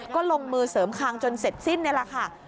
ก็ลงมือเสริมคางจนเสร็จสิ้นนี่แหละค่ะ